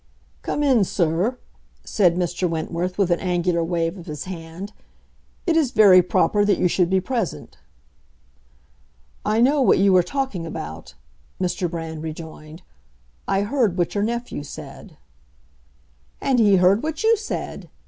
"Come in, sir," said Mr. Wentworth, with an angular wave of his hand. "It is very proper that you should be present." "I know what you are talking about," Mr. Brand rejoined. "I heard what your nephew said." "And he heard what you said!"